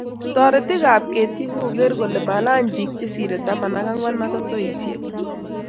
Toretiikab ketiik koger kole malany biik chesirei taman ak ang'wan matatusyek.